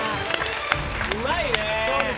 うまいね。